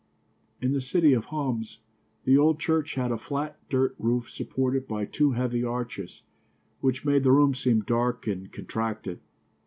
In the city of Homs the old church had a flat dirt roof supported by two heavy arches, which made the room seem dark and contracted.